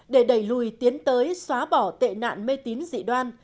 để đẩy lùi tiến tới xóa bỏ tệ nạn mê tín dị đoan